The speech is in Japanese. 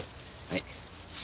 はい。